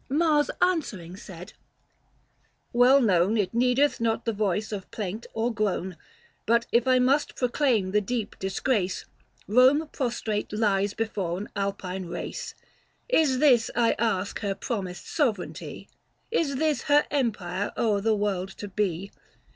Mars answering said, " Well known, It needeth not the voice of plaint or groan ; But if I must proclaim the deep disgrace, Borne prostrate lies before an Alpine race. 420 Is this, I ask, her promised sovereignty ? Is this her empire o'er the world to be?